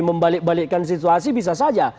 membalik balikkan situasi bisa saja